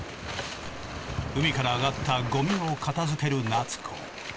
海からあがったゴミを片づける夏子。